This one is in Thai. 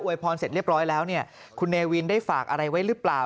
พรเสร็จเรียบร้อยแล้วเนี่ยคุณเนวินได้ฝากอะไรไว้หรือเปล่า